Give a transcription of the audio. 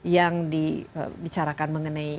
yang dibicarakan mengenai